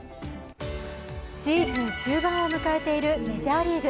シーズン終盤を迎えているメジャーリーグ。